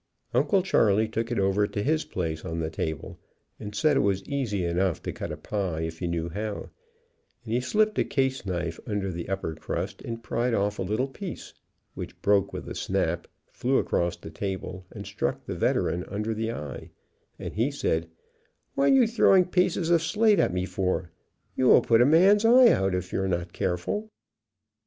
Uncle Charley took it over to his place on the table and said it was easy enough to cut a pie if you knew how, and he slipped a caseknife under the upper crust and pried off a little piece, which broke with a snap, flew across the table and struck the Veteran under the eye, and he said, ""What you throwing pieces of slate at me for ? You will put a man's eyes out if you are not careful."